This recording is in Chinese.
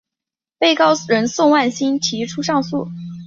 被告人宋万新提出上诉。